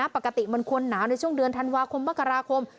ปกติมันควรหนาวในช่วงเดือนธันวาคมมกราคม